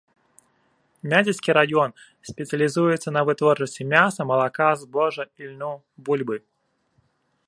Мядзельскі раён спецыялізуецца на вытворчасці мяса, малака, збожжа, ільну, бульбы.